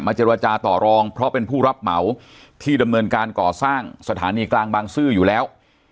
เจรจาต่อรองเพราะเป็นผู้รับเหมาที่ดำเนินการก่อสร้างสถานีกลางบางซื่ออยู่แล้ว